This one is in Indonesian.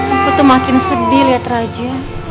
aku tuh makin sedih lihat raja